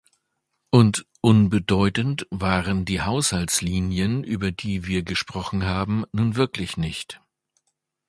Und unbedeutend waren die Haushaltslinien, über die wir gesprochen haben, nun wirklich nicht.